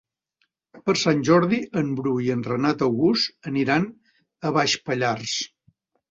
Per Sant Jordi en Bru i en Renat August aniran a Baix Pallars.